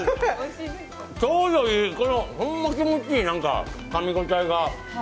ちょうどいい、ほんま気持ちいいかみ応えが。